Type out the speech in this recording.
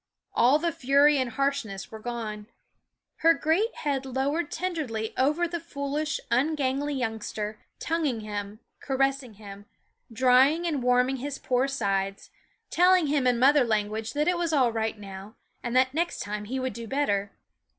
All the fury and harshness were gone. Her great head lowered tenderly over the foolish, ungainly youngster, tonguing him, caressing him, drying and warming his poor sides, telling him in mother language that it was all right now, and that next time he would do better.